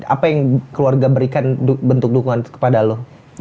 apa yang keluarga berikan bentuk dukungan kepada lo